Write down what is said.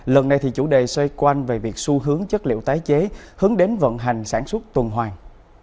lần này thì chủ đề xoay quanh về việc xu hướng chất liệu tái chế hướng đến vận hành sản xuất tuần hoàng